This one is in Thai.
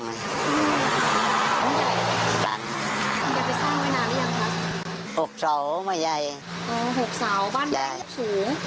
จะไปสร้างไว้นานแล้วยังครับหกเสาร์ไม่ใหญ่อ๋อหกเสาร์บ้านให้สูง